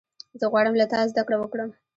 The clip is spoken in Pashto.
زه غواړم له تا زدهکړه وکړم.